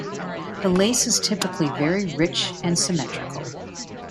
The lace is typically very rich and symmetrical.